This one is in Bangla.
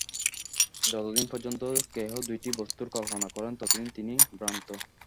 যতদিন পর্যন্ত কেহ দুইটি বস্তুর কল্পনা করেন, ততদিন তিনি ভ্রান্ত।